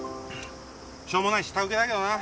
しょうもない下請けだけどな。